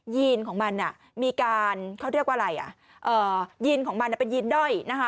ีนของมันมีการเขาเรียกว่าอะไรอ่ะยีนของมันเป็นยีนด้อยนะคะ